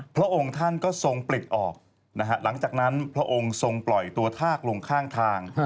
พระองค์ท่านก็ทรงปลิดออกนะฮะหลังจากนั้นพระองค์ทรงปล่อยตัวทากลงข้างทาง